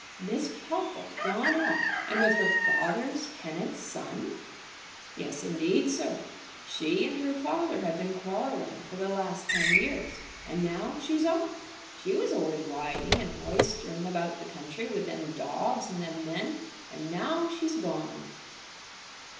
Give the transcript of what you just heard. "Miss Puffle gone off, and with her father's tenant's son!" "Yes indeed, sir. She and her father have been quarrelling for the last ten years, and now she's off. She was always riding and roistering about the country with them dogs and them men; and now she's gone."